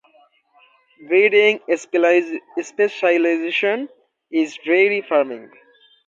Breeding specialization is dairy farming.